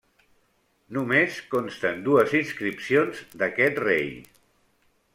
Només consten dues inscripcions d'aquest rei.